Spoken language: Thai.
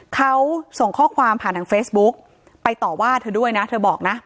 เขาส่งข้อความผ่านทางเฟซบุ๊กไปต่อว่าเธอด้วยนะเธอบอกนะ